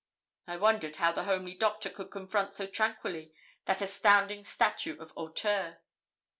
I wondered how the homely Doctor could confront so tranquilly that astounding statue of hauteur.